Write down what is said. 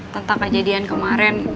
tentang kejadian kemarin